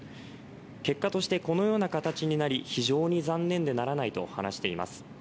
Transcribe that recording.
結果としてこのような形になり非常に残念でならないと話しています。